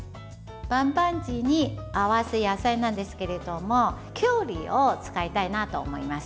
バンバンジーに合わせる野菜なんですけれどもきゅうりを使いたいなと思います。